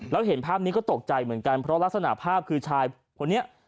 แล้วเห็นภาพนี้ก็ตกใจเหมือนกันเพราะลักษณะภาพคือชายคนนี้